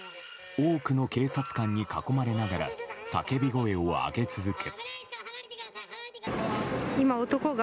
多くの警察官に囲まれながら叫び声を上げ続け。